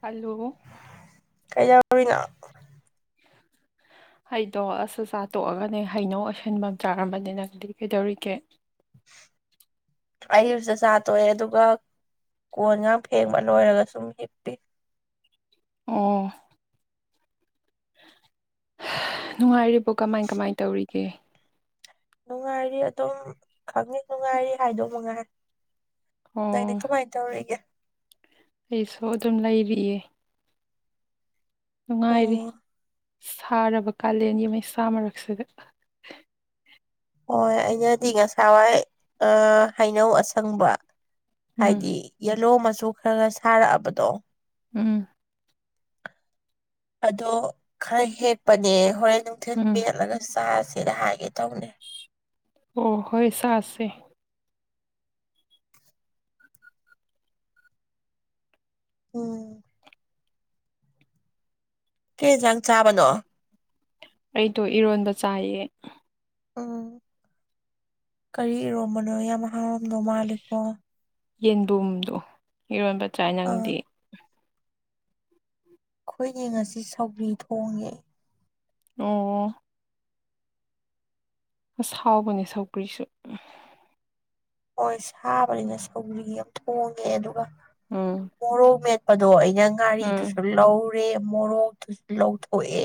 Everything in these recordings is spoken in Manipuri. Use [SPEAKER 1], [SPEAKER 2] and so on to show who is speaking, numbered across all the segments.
[SPEAKER 1] ꯍꯂꯣ
[SPEAKER 2] ꯀꯩꯗꯧꯔꯤꯅꯣ
[SPEAKER 1] [unintelligible] ꯍꯩꯗꯣ ꯑꯁ ꯑ ꯆꯥ ꯇꯣꯛꯑꯒꯅꯦ ꯍꯩꯅꯧ ꯑꯣꯏꯁꯤꯟꯐꯝ ꯆꯥꯔꯝꯕꯅꯤꯅꯪ ꯑꯗꯨꯗꯤ ꯀꯩꯗꯧꯔꯤꯒꯦ [inaudible]
[SPEAKER 2] ꯑꯌꯁꯦ ꯁꯥ ꯇꯣꯛꯑꯦ ꯑꯗꯨꯒ ꯀꯣꯟ ꯌꯥꯝ ꯐꯦꯡꯕ ꯂꯣꯏꯔꯒ ꯁꯨꯝ ꯍꯤꯞꯄꯤ
[SPEAKER 1] ꯑꯣꯝ ꯅꯨꯡꯉꯥꯏꯔꯤꯕꯣ ꯀꯃꯥꯏ ꯀꯃꯥꯏ ꯇꯧꯔꯤꯒꯦ
[SPEAKER 2] ꯅꯨꯡꯉꯥꯏꯔꯤ ꯑꯗꯨꯝ ꯈꯪꯉꯤ ꯅꯨꯡꯉꯥꯏꯔꯤ ꯍꯥꯏꯗꯣꯛ ꯃꯉꯥꯏ ꯅꯅꯦ
[SPEAKER 1] ꯑꯣ
[SPEAKER 2] ꯀꯃꯥꯏꯅ ꯇꯧꯔꯤꯒꯦ
[SPEAKER 1] ꯑꯩꯁꯨ ꯑꯗꯨꯝ ꯂꯩꯔꯤꯌꯦ
[SPEAKER 2] ꯑꯣ
[SPEAKER 1] ꯅꯨꯡꯉꯥꯏꯔꯤ ꯁꯥꯔꯕ ꯀꯥꯂꯦꯟꯒꯤ ꯃꯩꯁꯥ ꯃꯔꯛꯁꯤꯗ
[SPEAKER 2] ꯍꯣꯏ ꯑꯩꯅꯗꯤ ꯉꯁꯥꯋꯥꯏ ꯍꯩꯅꯧ ꯑꯁꯪꯕ
[SPEAKER 1] ꯎꯝ
[SPEAKER 2] ꯍꯥꯏꯗꯤ ꯌꯦꯜꯂꯣ ꯃꯆꯨ ꯈꯔ ꯈꯔ ꯁꯥꯔꯛꯑꯕꯗꯣ
[SPEAKER 1] ꯎꯝ
[SPEAKER 2] ꯑꯗꯣ ꯈꯔ ꯍꯦꯛꯄꯅꯦ ꯍꯣꯔꯦꯟ ꯅꯨꯡꯊꯤꯜ
[SPEAKER 1] ꯎꯝ
[SPEAKER 2] ꯃꯦꯠꯂꯒ ꯆꯥꯁꯦ ꯁꯤꯗ ꯍꯥꯏꯒꯦ ꯇꯧꯅꯦ
[SPEAKER 1] ꯑꯣ ꯍꯣꯏ ꯆꯥ ꯑꯁꯦ
[SPEAKER 2] ꯎꯝ ꯀꯦꯟꯖꯥꯡ ꯆꯥꯕꯅꯣ
[SPEAKER 1] ꯑꯩꯗꯣ ꯏꯔꯣꯟꯕ ꯆꯥꯏꯌꯦ
[SPEAKER 2] ꯎꯝ ꯀꯔꯤ ꯏꯔꯣꯝꯕꯅꯣ ꯌꯥꯝ ꯍꯍꯥꯡꯝꯅꯣ ꯃꯥꯂꯦꯀꯣ
[SPEAKER 1] ꯌꯦꯟꯕꯨꯝꯗꯣ ꯏꯔꯣꯟꯕ ꯆꯥꯏ
[SPEAKER 2] ꯑ
[SPEAKER 1] ꯅꯪꯗꯤ
[SPEAKER 2] ꯑꯩꯈꯣꯏꯅꯦ ꯉꯁꯤ ꯁꯧꯒ꯭ꯔꯤ ꯊꯣꯡꯉꯦ
[SPEAKER 1] ꯑꯣ ꯑꯁ ꯍꯥꯎꯕꯅꯦ ꯁꯧꯀ꯭ꯔꯤꯁꯨ
[SPEAKER 2] ꯍꯣꯏ ꯁꯥꯕꯅꯤꯅ ꯁꯧ꯭ꯔꯤꯒꯤ ꯌꯥꯝ ꯊꯣꯡꯉꯦ ꯑꯗꯨꯒ
[SPEAKER 1] ꯎꯝ
[SPEAKER 2] ꯃꯣꯔꯣꯛ ꯃꯦ ꯑꯗꯣ ꯑꯩꯅ
[SPEAKER 1] ꯎꯝ
[SPEAKER 2] ꯉꯥꯔꯤꯗꯨꯁꯨ ꯂꯧꯔꯦ ꯃꯣꯔꯣꯛꯇꯨꯁꯨ ꯂꯧꯊꯣꯛꯑꯦ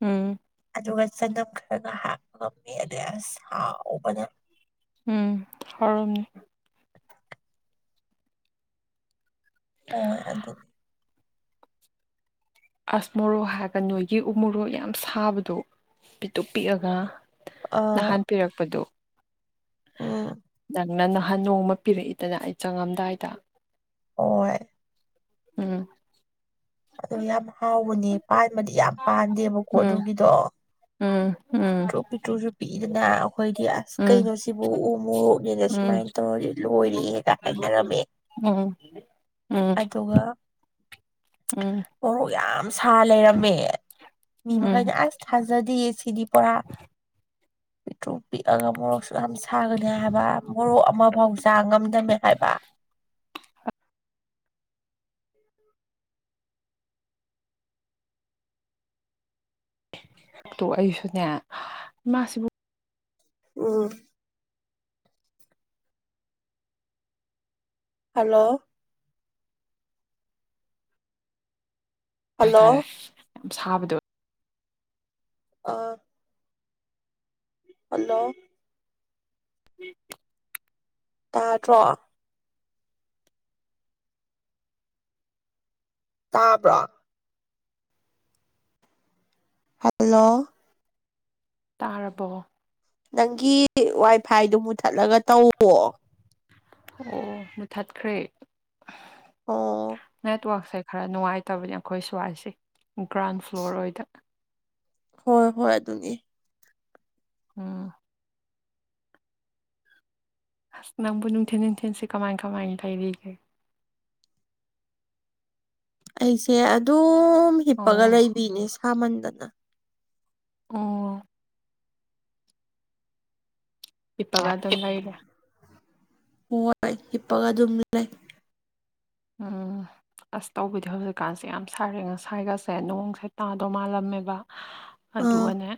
[SPEAKER 1] ꯎꯝ
[SPEAKER 2] ꯑꯗꯨꯒ ꯆꯝ ꯈꯔꯒ ꯍꯥꯄ ꯉꯝꯃꯤ ꯑꯗꯁ ꯍꯥꯎ
[SPEAKER 1] ꯎꯝ ꯍꯧꯔꯝꯅꯤ
[SPEAKER 2] [unintelligible] ꯍꯣꯏꯣꯏ ꯑꯗꯨꯗꯤ
[SPEAKER 1] ꯑꯁꯃꯣꯔꯣꯛ ꯍꯥꯏꯔꯒ ꯅꯣꯏꯒꯤ ꯎꯃꯣꯔꯣꯛ ꯌꯥꯝ ꯁꯥꯕꯗꯣ ꯄꯤꯛꯇꯣꯛ ꯄꯤꯛꯑꯒ
[SPEAKER 2] ꯑꯥ
[SPEAKER 1] ꯅꯍꯥꯟ ꯄꯤꯔꯛꯄꯗꯨ
[SPEAKER 2] ꯎꯝ
[SPEAKER 1] ꯅꯪꯅ ꯅꯍꯥꯟ ꯅꯣꯡꯃ ꯄꯤꯔꯛꯏꯗꯅ ꯑꯩ ꯆꯪꯉꯝꯗꯥꯏꯗ
[SPEAKER 2] ꯍꯣꯏ
[SPEAKER 1] ꯎꯝ
[SPEAKER 2] ꯑꯗꯣ ꯌꯥꯝ ꯍꯥꯎꯕꯅꯦ ꯄꯥꯟꯕꯗꯤ ꯌꯥꯝ ꯄꯥꯟꯗꯦꯕꯀꯣ
[SPEAKER 1] ꯎꯝ
[SPEAKER 2] ꯑꯗꯨꯒꯤꯗꯣ
[SPEAKER 1] ꯎꯝ ꯎꯝ
[SPEAKER 2] ꯄꯤꯇ꯭ꯔꯨ ꯄꯤꯇ꯭ꯔꯨꯁꯨ ꯄꯤꯗꯅ ꯑꯩꯈꯣꯏꯗꯤ ꯑꯁ
[SPEAKER 1] ꯎꯝ
[SPEAKER 2] ꯀꯩꯅꯣ ꯁꯤꯕꯨ ꯎ ꯃꯣꯔꯣꯛꯅꯤꯗ
[SPEAKER 1] ꯎꯝ
[SPEAKER 2] ꯁꯨꯃꯥꯏꯅ ꯇꯧꯔꯗꯤ ꯂꯣꯏꯔꯦꯒ ꯍꯥꯏꯅꯔꯝꯃꯦ
[SPEAKER 1] ꯎꯝ ꯎꯝ
[SPEAKER 2] ꯑꯗꯨꯒ
[SPEAKER 1] ꯎꯝ
[SPEAKER 2] ꯃꯣꯔꯣꯛ ꯌꯥꯝ ꯁꯥ ꯂꯩꯔꯝꯃꯦ ꯃꯤ
[SPEAKER 1] ꯎꯝ
[SPEAKER 2] ꯃꯈꯩꯅꯦ ꯑꯁ ꯊꯥꯖꯗꯌꯦ ꯁꯤꯗꯤ ꯄꯨꯔꯥ ꯍꯇꯣ ꯄꯤꯛꯑꯒ ꯃꯣꯔꯣꯛꯁꯨ ꯌꯥꯝ ꯁꯥꯒꯅꯤ ꯍꯥꯏꯕ ꯃꯣꯔꯣꯛ ꯑꯃꯐꯥꯎ ꯆꯥ ꯉꯝꯗꯃꯦ ꯍꯥꯏꯕ
[SPEAKER 1] [unintelligible] ꯛꯇꯨ ꯑꯩꯁꯨꯅꯦ ꯏꯃꯥꯁꯤꯕꯨ
[SPEAKER 2] ꯑꯣ ꯍꯜꯂꯣ
[SPEAKER 1] ꯍꯥꯏꯇꯥꯔꯦ
[SPEAKER 2] ꯍꯜꯂꯣ
[SPEAKER 1] ꯁꯥꯕꯗꯣ
[SPEAKER 2] ꯑꯥ ꯍꯜꯂꯣ
[SPEAKER 1] ꯎꯝ
[SPEAKER 2] ꯇꯥꯠꯇ꯭ꯔꯣ ꯇꯥꯕ꯭ꯔꯣ ꯍꯜꯂꯣ
[SPEAKER 1] ꯇꯥꯔꯕꯣ
[SPEAKER 2] ꯅꯪꯒꯤ ꯋꯥꯏꯐꯥꯏꯗꯨꯣ ꯃꯨꯊꯠꯂꯒ ꯇꯧ
[SPEAKER 1] ꯑꯣ ꯃꯨꯊꯠꯈ꯭ꯔꯦ
[SPEAKER 2] ꯑꯣ
[SPEAKER 1] ꯅꯦꯠꯋꯥꯛ ꯁ ꯈꯔ ꯅꯨꯡꯉꯥꯏꯇꯕꯅꯤ ꯑꯩꯈꯣꯏ ꯁ꯭ꯋꯥꯏꯁꯦ ꯒ꯭ꯔꯥꯎꯟ ꯐ꯭ꯂꯣꯔ ꯑꯣꯏꯗ
[SPEAKER 2] ꯍꯣꯏ ꯍꯣꯏ ꯑꯗꯨꯅꯤ
[SPEAKER 1] ꯎꯝ ꯑꯁ ꯅꯪꯕꯨ ꯅꯨꯡꯊꯤꯟ ꯅꯨꯡꯊꯤꯟꯁꯤꯦ ꯀꯃꯥꯏ ꯀꯃꯥꯏꯅ ꯄꯥꯏꯕꯤꯒꯦ
[SPEAKER 2] ꯑꯩꯁꯦ ꯑꯗꯨꯝ ꯍꯤꯞꯄꯒ
[SPEAKER 1] ꯑꯣ
[SPEAKER 2] ꯂꯩꯕꯤꯅꯦ ꯁꯥꯃꯟꯗꯅ
[SPEAKER 1] ꯑꯣ ꯏꯄꯥꯒ ꯑꯗꯨ ꯂꯏꯔ
[SPEAKER 2] ꯍ ꯏꯄꯒ ꯑꯗꯨꯝ ꯂꯩ
[SPEAKER 1] ꯎꯝ ꯑꯁ ꯇꯧꯕꯤꯗꯤ ꯍꯧꯖꯤꯛꯀꯥꯟꯁꯦ ꯌꯥꯝ ꯁꯥꯔꯦ ꯉꯁꯥꯏꯒꯁꯦ ꯅꯣꯡꯁꯦ ꯇꯥꯗꯧ ꯃꯥꯜꯂꯝꯃꯦꯕ
[SPEAKER 2] ꯑꯥ
[SPEAKER 1] ꯑꯗꯨꯒꯅꯦ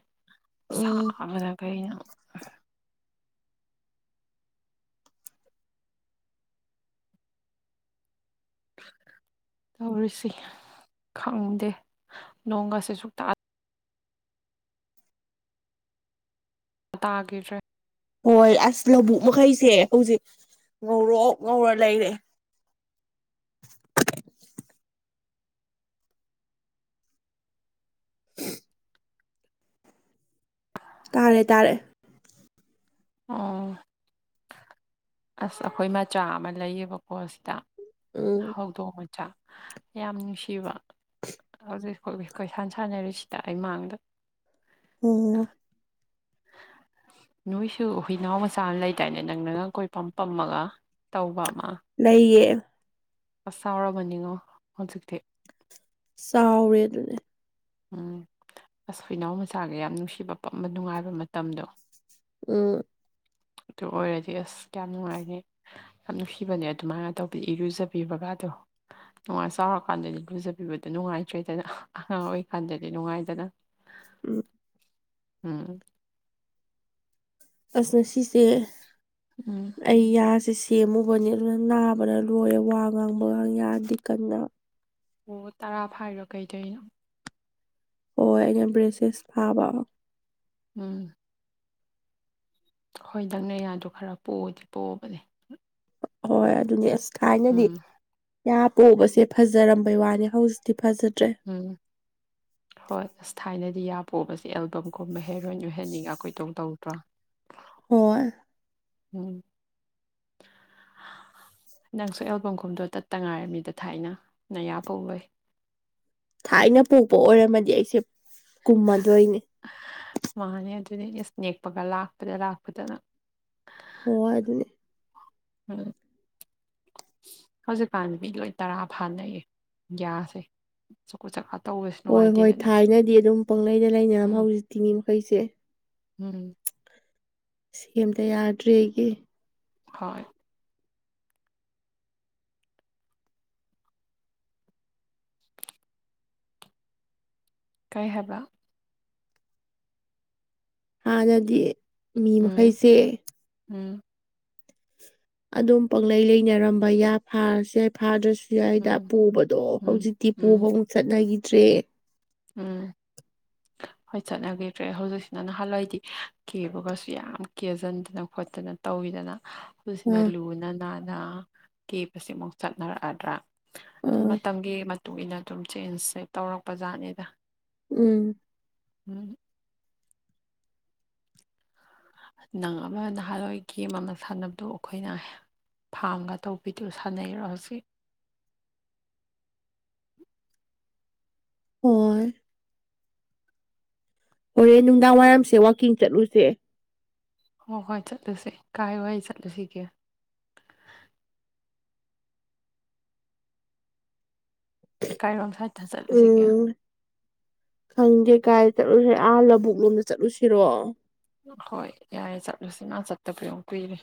[SPEAKER 2] ꯎꯝ
[SPEAKER 1] ꯁꯥꯕꯅ ꯀꯩꯅꯣ [unintelligible] ꯇꯧꯔꯤꯁꯤ ꯈꯪꯗꯦ ꯅꯣꯡꯒꯁꯤꯦ ꯁꯨꯛꯇ ꯇꯥꯈꯤꯗ꯭ꯔꯦ
[SPEAKER 2] ꯍꯣꯏ ꯑꯁ ꯂꯧꯕꯨꯛ ꯃꯈꯩꯁꯦ ꯍꯧꯖꯤꯛ ꯉꯧꯔꯣꯛ ꯉꯧꯔ ꯂꯩꯔꯦ [unintelligible] ꯇꯥꯔꯦ ꯇꯥꯔꯦ
[SPEAKER 1] ꯑꯣ ꯑꯁ ꯑꯩꯈꯣꯏ ꯃꯆꯥ ꯑꯃ ꯂꯩꯌꯦꯕꯀꯣ ꯁꯤꯗ
[SPEAKER 2] ꯎꯝ
[SPEAKER 1] ꯍꯧꯗꯣꯡ ꯃꯆꯥ ꯌꯥꯝ ꯅꯨꯡꯁꯤꯕ ꯍꯧꯖꯤꯛ ꯑꯩꯂꯤ ꯀꯣꯏ ꯁꯥꯟ ꯁꯥꯟꯅꯔꯤꯁꯤꯗ ꯑꯩ ꯃꯥꯡꯗ
[SPEAKER 2] ꯎꯝ
[SPEAKER 1] [unintelligible] ꯅꯣꯏꯁꯨ ꯍꯨꯏꯅꯥꯎ ꯃꯆꯥꯅ ꯂꯩꯇꯏꯅꯦ ꯅꯪꯅꯅ ꯀꯣꯏ ꯄꯝ ꯄꯝꯃꯒ ꯇꯧꯕ ꯑꯃ
[SPEAKER 2] ꯂꯩꯌꯦ
[SPEAKER 1] ꯑꯁ ꯆꯥꯎꯥꯎꯔꯔꯕꯅꯤꯉꯣ ꯍꯟ ꯆ ꯊꯦ
[SPEAKER 2] ꯆꯥꯎꯔꯦ ꯑꯗꯨꯅꯦ
[SPEAKER 1] ꯎꯝ ꯑꯁ ꯍꯏꯅꯥꯎ ꯃꯆꯥꯒ ꯌꯥꯝ ꯅꯨꯡꯁꯤꯕ ꯄꯝꯕ ꯅꯨꯡꯉꯥꯏꯕ ꯃꯇꯝꯗꯣ
[SPEAKER 2] ꯎꯝ
[SPEAKER 1] [unintelligible] ꯑꯗꯨ ꯑꯣꯏꯔꯗꯤ ꯑꯁ ꯌꯥꯝ ꯅꯨꯡꯉꯥꯏꯅꯦ ꯌꯥꯝ ꯅꯨꯡꯁꯤꯕꯅꯦ ꯑꯗꯨꯃꯥꯏꯅ ꯇꯧꯕꯤ ꯏꯔꯨꯖꯕꯤ ꯕꯀꯗꯣ ꯅꯨꯡꯉꯥꯏ ꯆꯥꯎꯔꯀꯥꯟꯗꯗꯤ ꯂꯨꯖꯕꯤꯕꯗꯣ ꯅꯨꯡꯉꯥꯏꯇ꯭ꯔꯦꯗꯅ ꯑꯉꯥꯡ ꯑꯣꯏ ꯈꯟꯖꯗꯤ ꯅꯨꯡꯉꯥꯏꯖꯅ
[SPEAKER 2] ꯎꯝ
[SPEAKER 1] ꯎꯝ
[SPEAKER 2] ꯑꯁꯅꯦ ꯁꯤꯁꯦ
[SPEAKER 1] ꯎꯝ
[SPEAKER 2] ꯑꯩ ꯌꯥꯁ ꯁꯦꯝꯃꯨꯕꯅꯤ ꯑꯗꯨꯅ ꯅꯥꯕꯅ ꯂꯣꯏꯦ ꯋꯥ ꯉꯥꯡꯕꯒ ꯌꯥꯔꯗꯤ ꯀꯟꯅ
[SPEAKER 1] ꯑꯣ ꯇꯔꯥ ꯐꯥꯏꯔꯣ ꯀꯩꯗꯣꯏꯅꯣ
[SPEAKER 2] ꯍꯣꯏ ꯑꯩꯅ ꯕ꯭ꯔꯦꯁꯂꯦꯁ ꯐꯥꯕ
[SPEAKER 1] ꯎꯝ ꯍꯣꯏ ꯅꯪꯅ ꯌꯥꯗꯣ ꯈꯔ ꯄꯣꯛꯑꯗꯤ ꯄꯣꯛꯑꯕꯅꯦ
[SPEAKER 2] ꯍꯣꯏ ꯑꯗꯨꯅꯦ ꯑꯁ ꯊꯥꯏꯅꯗꯤ
[SPEAKER 1] ꯎꯝ
[SPEAKER 2] ꯌꯥ ꯄꯣꯕꯁꯦ ꯐꯖꯔꯝꯕꯩ ꯋꯥꯅꯤ ꯍꯧꯖꯤꯛ
[SPEAKER 1] ꯎꯝ ꯍꯣꯏ ꯊꯥꯏꯅꯦ ꯁꯤ ꯌꯥ ꯄꯣꯁ ꯑꯦꯜꯕꯝꯒꯨꯝꯕ ꯍꯦꯔꯣꯏꯟ ꯑꯣꯏꯍꯟꯅꯤꯡꯉ ꯀꯣꯏꯇꯧ ꯇꯧꯗ꯭ꯔꯣ
[SPEAKER 2] ꯍꯣꯏ
[SPEAKER 1] ꯎꯝ ꯅꯪꯁꯨ ꯑꯦꯜꯕꯝꯒꯨꯝꯗꯣ ꯇꯠꯇ ꯉꯥꯏꯔꯝꯃꯤꯗ ꯊꯥꯏꯅ ꯅꯌꯥ ꯄꯧ ꯂꯣꯏ
[SPEAKER 2] ꯊꯥꯏꯅ ꯄꯣꯛꯄ ꯑꯣꯏꯔꯝꯃꯗꯤ ꯑꯩꯁꯦ ꯀꯨꯝꯃꯗꯣꯏꯅꯤ
[SPEAKER 1] ꯃꯥꯅꯦ ꯑꯗꯨꯅꯦ ꯑꯦꯁ ꯅꯦꯛꯄꯒ ꯂꯥꯛꯄꯗ ꯂꯥꯛꯄꯗꯅ
[SPEAKER 2] ꯍꯣꯏ ꯑꯗꯨ ꯑꯗꯨꯅꯦ
[SPEAKER 1] ꯎꯝ ꯍꯧꯖꯤꯛꯀꯥꯟꯗꯤ ꯃꯤ ꯂꯣꯏ ꯇꯔꯥ ꯐꯥꯅꯩꯌꯦ ꯒꯌꯥꯁꯦ ꯆꯀꯨꯠ ꯆꯀꯥ ꯇꯧꯕꯁꯨ
[SPEAKER 2] ꯍꯣꯏ ꯍꯣꯏ
[SPEAKER 1] ꯅꯨꯡꯉꯥꯏꯇꯦꯗꯅ
[SPEAKER 2] ꯊꯥꯏꯅꯗꯤ ꯑꯗꯨꯝ ꯄꯪꯂꯩꯗ ꯂꯩꯅꯔꯝ
[SPEAKER 1] ꯎꯝ
[SPEAKER 2] ꯍꯧꯖꯤꯛꯇꯤꯅꯤ ꯃꯈꯩꯁꯦ
[SPEAKER 1] ꯎꯝ
[SPEAKER 2] ꯁꯤ ꯑꯦꯝꯇ ꯌꯥꯗ꯭ꯔꯤ ꯑꯩꯒꯤ
[SPEAKER 1] ꯍꯣꯏ ꯀꯔꯤ ꯍꯥꯏꯕ
[SPEAKER 2] ꯍꯥꯟꯅꯗꯤ ꯃꯤ
[SPEAKER 1] ꯎꯝ
[SPEAKER 2] ꯃꯈꯩꯁꯦ
[SPEAKER 1] ꯎꯝ
[SPEAKER 2] ꯑꯗꯨꯝ ꯄꯪꯂꯪꯂꯩ ꯂꯩꯅꯔꯝꯕ ꯌꯥꯏ ꯐꯥꯔꯁꯨ ꯌꯥꯏ ꯐꯥꯗ꯭ꯔꯁꯨ ꯁꯤꯥꯏꯗ
[SPEAKER 1] ꯎꯝ
[SPEAKER 2] ꯄꯨꯕꯗꯣ
[SPEAKER 1] ꯎꯝ
[SPEAKER 2] ꯍꯧꯖꯤꯛꯇꯤ ꯄꯨꯕ
[SPEAKER 1] ꯎꯝ
[SPEAKER 2] ꯑꯃꯨꯛ ꯆꯠꯅꯈꯤꯗ꯭ꯔꯦ
[SPEAKER 1] ꯎꯝ ꯍꯣꯏ ꯆꯠꯅꯈꯤꯗ꯭ꯔꯦ ꯍꯧꯖꯤꯛꯁꯤꯅ ꯅꯍꯥꯟꯋꯥꯏꯗꯤ ꯀꯦꯕꯒꯁꯨ ꯌꯥꯝ ꯀꯦꯖꯤꯟꯗꯅ ꯈꯣꯠꯇꯅ ꯇꯧꯋ ꯀꯨꯗꯅ ꯍꯧꯖꯤꯛꯁꯤꯅ
[SPEAKER 2] ꯑꯥ
[SPEAKER 1] ꯂꯨꯅ ꯅꯥꯟꯅ ꯀꯦꯞ ꯑꯁꯤꯃꯨꯛ ꯆꯠꯅꯔꯛꯑꯗ꯭ꯔꯥ ꯁꯝ
[SPEAKER 2] ꯑꯥ
[SPEAKER 1] ꯃꯇꯝꯒꯤ ꯃꯇꯨꯡ ꯏ ꯃꯇꯨꯡꯏꯟꯅ ꯑꯗꯨꯝ ꯆꯦꯟꯖꯁꯦ ꯇꯧꯔꯛꯄꯖꯥꯠꯅꯤ
[SPEAKER 2] ꯎꯝ
[SPEAKER 1] ꯎꯝ ꯅꯪ ꯑꯃ ꯅꯍꯥꯟꯋꯥꯏ ꯒꯦꯝ ꯑꯃ ꯁꯥꯟꯅꯕꯗꯨ ꯑꯩꯈꯣꯏꯅ ꯐꯥꯝꯒ ꯇꯧꯕꯤꯗꯨ ꯁꯥꯟꯅꯩꯔꯣ ꯍꯧꯖꯤꯛ
[SPEAKER 2] ꯍ ꯍꯣꯔꯦ ꯅꯨꯡꯗꯥꯡ ꯋꯥꯏꯔꯝꯁꯦ ꯋꯥꯛꯀꯤꯡ ꯆꯠꯂꯨꯁꯦ
[SPEAKER 1] ꯍꯣꯏ ꯍꯣꯏ ꯆꯠꯂꯨꯁꯤ ꯀꯥꯏ ꯋꯥ ꯆꯠꯂꯨꯁꯤꯒꯦ ꯀꯥꯏ ꯋꯥꯝ ꯁꯥꯠꯇ ꯆꯠꯂꯨꯁꯤꯒꯦ
[SPEAKER 2] ꯎꯝ ꯈꯪꯗꯦ ꯀꯥꯏ ꯆꯠꯂꯨꯁꯦ ꯑꯥ ꯂꯧꯕꯕꯨꯛ ꯂꯣꯝꯗ ꯆꯠꯂꯨꯁꯤꯔꯣ
[SPEAKER 1] ꯍꯣꯏ ꯌꯥꯏꯦ ꯆꯠꯂꯨꯁꯤ ꯃꯥ ꯆꯠꯇꯕꯌꯨꯛ ꯄꯤꯔꯦ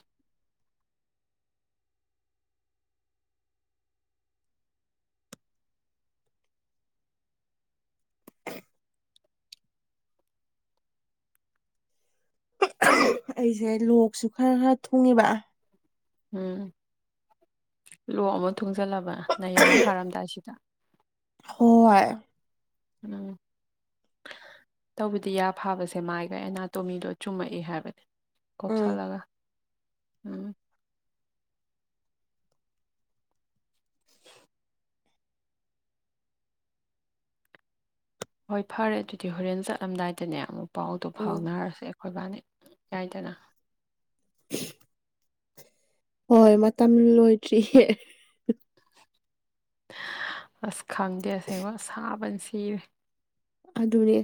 [SPEAKER 2] ꯑꯩꯁꯦ ꯂꯣꯛꯁꯨ ꯈꯔ ꯈꯔ ꯊꯣꯡꯉꯤꯕ
[SPEAKER 1] ꯎꯝ ꯂ ꯑꯃ ꯊꯨꯡꯖꯤꯜꯂꯕ ꯅꯥꯌꯥ ꯐꯥꯔꯝꯗꯥꯏꯁꯤꯗ
[SPEAKER 2] ꯍ
[SPEAKER 1] ꯎꯝ ꯇꯧꯕꯗꯤ ꯌꯥ ꯐꯥꯕꯁꯦ ꯃꯥꯏꯕ ꯑꯅꯥꯇꯣꯃꯤꯗꯣ ꯆꯨꯝꯃꯛꯏ ꯍꯥꯏꯕꯅꯦ ꯀꯐꯁꯥ
[SPEAKER 2] ꯎꯝ
[SPEAKER 1] ꯂ ꯎꯝ ꯍꯣꯏ ꯐꯔꯦ ꯑꯗꯨꯗꯤ ꯍꯣꯔꯦꯟ ꯆꯠꯂꯝꯗꯥꯏꯗꯅꯦ ꯑꯃꯨꯛ ꯄꯥꯎꯗꯣ
[SPEAKER 2] ꯎꯝ
[SPEAKER 1] ꯐꯥꯎꯅꯔꯁꯦ ꯑꯩꯈꯣꯏꯕꯥꯅꯤ ꯌꯥꯥꯏꯗꯅ
[SPEAKER 2] ꯍꯣꯏ ꯃꯇꯝ ꯂꯣꯏꯗ꯭ꯔꯤ
[SPEAKER 1] ꯑꯁ ꯈꯪꯗꯦ ꯑꯁꯦꯡꯕ ꯑ ꯁꯥꯕꯅ ꯁꯤꯔꯦ
[SPEAKER 2] ꯑꯙꯅꯤ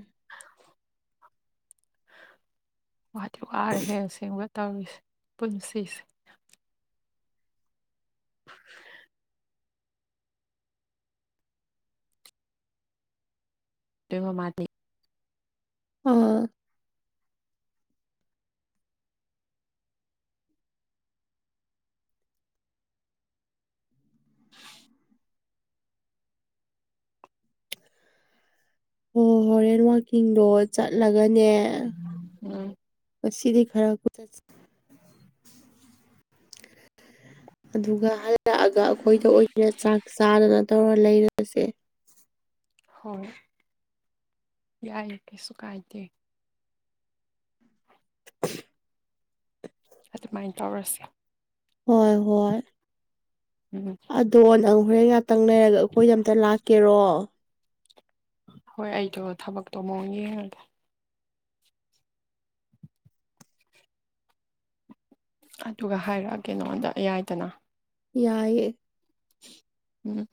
[SPEAKER 1] ꯋꯥꯇ ꯋꯥꯥꯔꯦꯁꯦꯡ ꯇꯧꯔꯤꯁꯦ ꯄꯨꯟꯁꯤꯁꯦ ꯀꯃꯣ ꯃꯥꯊ
[SPEAKER 2] ꯑꯥ ꯑꯣ ꯍꯣꯔꯦꯟ ꯋꯥꯀꯤꯡꯗꯣ ꯆꯠꯂꯒꯅꯦ
[SPEAKER 1] ꯎꯝ
[SPEAKER 2] ꯃꯁꯤꯁꯤꯗꯤ ꯈꯔ ꯑꯗꯨꯒ ꯍꯜꯂꯛꯑꯒ ꯑꯩꯈꯣꯏꯗ ꯑꯣꯏꯅ ꯆꯥꯛ ꯆꯥꯗꯅ ꯇꯧꯔ ꯂꯩꯔꯁꯦ
[SPEAKER 1] ꯍꯣꯏ ꯌꯥꯏ ꯀꯩꯁꯨ ꯀꯥꯏꯗꯦ ꯑꯗꯨꯃꯥꯏꯅ ꯇꯧꯔꯁꯦ
[SPEAKER 2] ꯍꯣꯏ ꯍꯣꯏ
[SPEAKER 1] ꯎꯝ
[SPEAKER 2] ꯑꯗꯣ ꯅꯪ ꯍꯣꯔꯦꯟ ꯉꯥꯛꯇꯪ ꯅꯔꯒ ꯑꯩꯈꯣꯏꯗ ꯑꯝꯇ ꯂꯥꯛꯀꯦꯔꯣ
[SPEAKER 1] ꯍꯣꯏ ꯑꯩꯗꯣ ꯊꯕꯛꯇꯣ ꯑꯃꯨꯑꯣꯡ ꯌꯦꯡꯉꯒꯦ ꯑꯗꯨꯒ ꯍꯥꯏꯔꯛꯑꯒꯦ ꯅꯉꯗ ꯑꯌꯥꯏꯗꯅ
[SPEAKER 2] ꯌꯥꯑꯦ
[SPEAKER 1] ꯎꯝ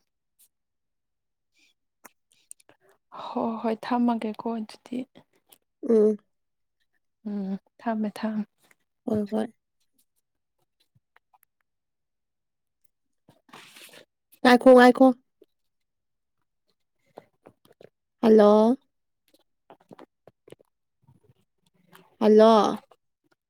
[SPEAKER 1] ꯍꯣꯏ ꯍꯣꯏ ꯊꯝꯃꯒꯦꯀꯣ ꯑꯗꯨꯗꯤ
[SPEAKER 2] ꯎꯝ
[SPEAKER 1] ꯎꯝ ꯊꯝꯃꯦ ꯊꯝꯃꯦ
[SPEAKER 2] ꯍꯣꯏ ꯍꯣꯏ ꯉꯥꯏꯈꯣ ꯉꯥꯏꯈꯣ ꯍꯜꯂꯣ ꯍꯜꯂꯣ